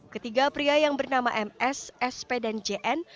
ketiga pria yang bernama ms sp dan jn